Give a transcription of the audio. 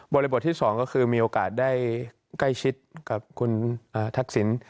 บทที่๒ก็คือมีโอกาสได้ใกล้ชิดกับคุณทักษิณ